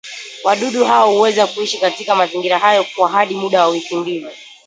wadudu hao huweza kuishi katika mazingira hayo kwa hadi muda wa wiki mbili